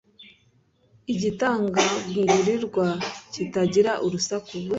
igitagangurirwa kitagira urusaku